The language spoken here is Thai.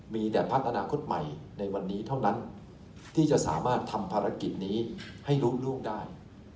มีแต่พักอนาคตใหม่ในวันนี้เท่านั้นที่จะสามารถทำภารกิจนี้ให้ล่วงได้